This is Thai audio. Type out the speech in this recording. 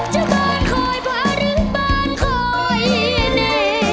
จะบ้านคอยพระหรือบ้านคอยเน่